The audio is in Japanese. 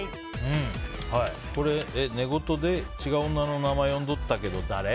「寝言で違う女の名前呼んどったけど誰？」。